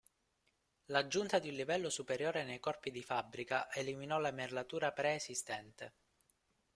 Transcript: L'aggiunta di un livello superiore nei corpi di fabbrica eliminò la merlatura preesistente.